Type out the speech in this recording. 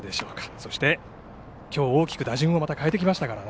そして、きょう大きくまた打順を変えてきましたからね。